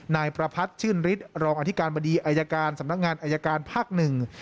นายประพัทธ์ชื่นฤทธิ์รองอธิการบดีอายการสำนักงานอายการภาคหนึ่ง